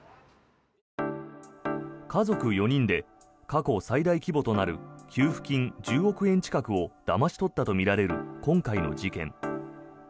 家族４人で過去最大規模となる給付金１０億円近くをだまし取ったとみられる今回の事件。